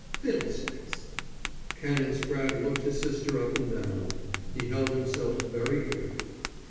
"Fiddlesticks!" Canon Spratte looked his sister up and down. He held himself very erect.